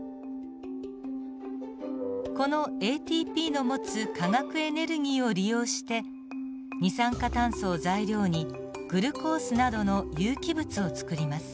このＡＴＰの持つ化学エネルギーを利用して二酸化炭素を材料にグルコースなどの有機物をつくります。